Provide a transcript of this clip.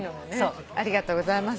ありがとうございます。